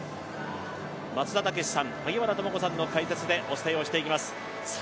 松田丈志さん、萩原智子さんの解説でお届けしています。